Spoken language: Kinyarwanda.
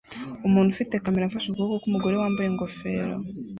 Umuntu ufite kamera afashe ukuboko k'umugore wambaye ingofero